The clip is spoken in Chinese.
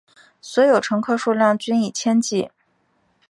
所有乘客数量均以千计。